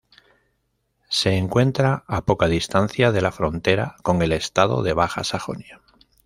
Se encuentra a poca distancia de la frontera con el estado de Baja Sajonia.